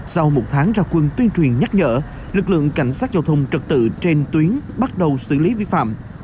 sau một tháng ra quân tuyên truyền nhắc nhở lực lượng cảnh sát giao thông trật tự trên tuyến bắt đầu xử lý vi phạm